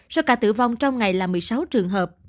số ca tử vong trong ngày là một mươi sáu trường hợp